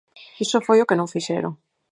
Iso foi o que non fixeron.